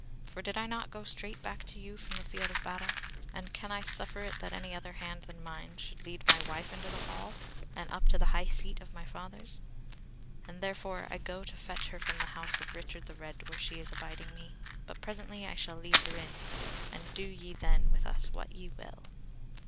For did I not go straight back to you from the field of battle; and can I suffer it that any other hand than mine should lead my wife into the hall and up to the high seat of my fathers; and therefore I go to fetch her from the house of Richard the Red where she is abiding me; but presently I shall lead her in, and do ye then with us what ye will."